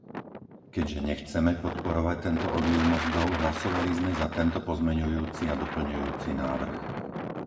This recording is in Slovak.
Keďže nechceme podporovať tento odliv mozgov, hlasovali sme za tento pozmeňujúci a doplňujúci návrh.